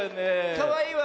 かわいいわ。